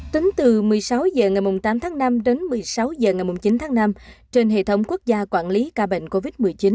tính từ một mươi sáu h ngày tám tháng năm đến một mươi sáu h ngày chín tháng năm trên hệ thống quốc gia quản lý ca bệnh covid một mươi chín